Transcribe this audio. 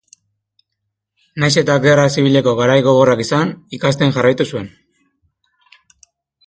Nahiz eta gerra zibileko garai gogorrak izan, ikasten jarraitu zuen.